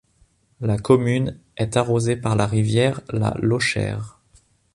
La commune est arrosée par la rivière la Lochère.